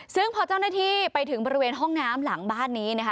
ซึ่งพอเจ้าหน้าที่ไปถึงบริเวณห้องน้ำหลังบ้านนี้นะคะ